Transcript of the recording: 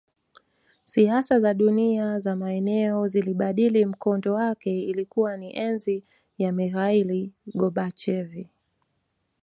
Siasa za dunia za maeneo zilibadili mkondo wake Ilikuwa ni enzi ya Mikhail Gorbachev